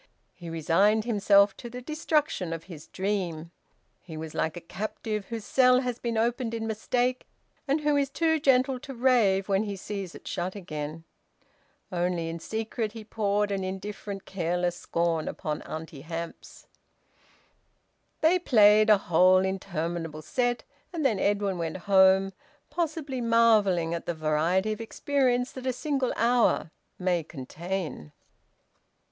He resigned himself to the destruction of his dream. He was like a captive whose cell has been opened in mistake, and who is too gentle to rave when he sees it shut again. Only in secret he poured an indifferent, careless scorn upon Auntie Hamps. They played a whole interminable set, and then Edwin went home, possibly marvelling at the variety of experience that a single hour may contain.